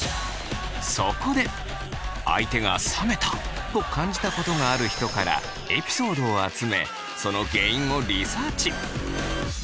そこで相手が冷めた！と感じたことがある人からエピソードを集めその原因をリサーチ。